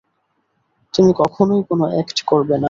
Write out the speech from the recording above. তুমি কখনই কোনো অ্যাক্ট করবে না।